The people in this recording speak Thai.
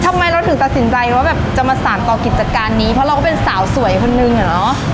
ทำไมเราถึงตัดสินใจว่าแบบจะมาสารต่อกิจการนี้เพราะเราก็เป็นสาวสวยคนนึงอะเนาะ